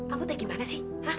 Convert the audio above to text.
ambo teh gimana sih